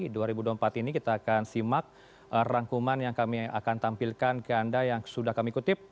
di dua ribu dua puluh empat ini kita akan simak rangkuman yang kami akan tampilkan ke anda yang sudah kami kutip